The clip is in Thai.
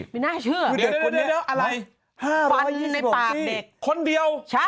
ไม่น่าเชื่อคือเด็กคนนี้อะไร๕๒๖ซีคนเดียว๕๐๐กว่าซี